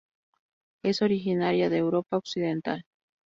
Es originaria de Europa occidental.